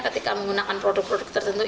ketika menggunakan produk produk tertentu